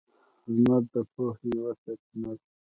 • لمر د پوهې یوه سرچینه ده.